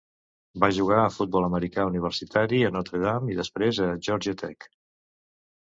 Va jugar a futbol americà universitari a Notre Dame i després a Georgia Tech.